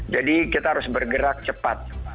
jadi kita harus bergerak cepat